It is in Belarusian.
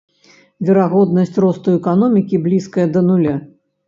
Верагоднасць росту эканомікі блізкая да нуля.